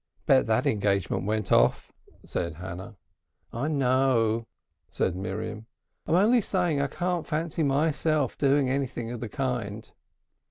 "But that engagement went off," said Hannah. "I know," said Miriam. "I'm only saying I can't fancy myself doing anything of the kind."